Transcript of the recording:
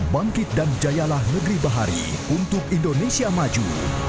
bangkit dan jayalah negeri bahari untuk indonesia maju